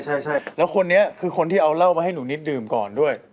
ใช่แล้วคนนี้คือคนที่เอาเหล้ามาให้หนูนิดดื่มก่อนด้วย